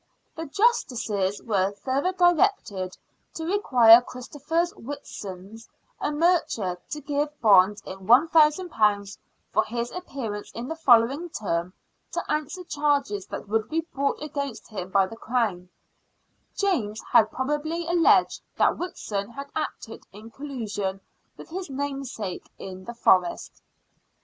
The justices were further directed to require Christopher Whitson, a mercer, to give a bond in £i,ooo for his appearance in the following term to answer charges that would be brought against him by the Crown, (James had probably alleged that Whitson had acted in collusion with his namesake in the Forest.)